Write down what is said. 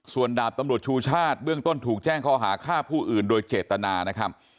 ส่วนดาบตำรวจชูชาติเบื้องต้นถูกแจ้งข้อหาฆ่าผู้อื่นโดยเจตนานะครับ